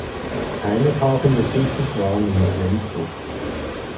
Heimathafen des Schiffes war nun Flensburg.